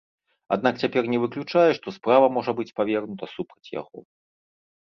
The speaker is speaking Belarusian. Аднак цяпер не выключае, што справа можа быць павернута супраць яго.